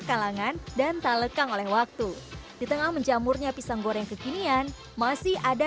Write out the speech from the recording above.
kalangan dan tak lekang oleh waktu di tengah menjamurnya pisang goreng kekinian masih ada